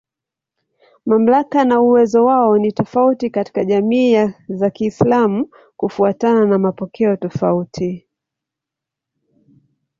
Mamlaka na uwezo wao ni tofauti katika jamii za Kiislamu kufuatana na mapokeo tofauti.